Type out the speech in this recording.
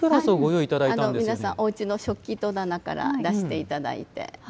皆さん、おうちの食器戸棚から出していただいて。